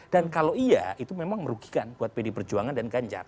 dan kalau iya itu memang merugikan buat pdi perjuangan dan ganjar